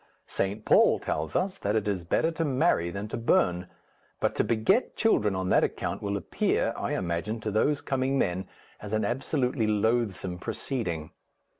St. Paul tells us that it is better to marry than to burn, but to beget children on that account will appear, I imagine, to these coming men as an absolutely loathsome proceeding.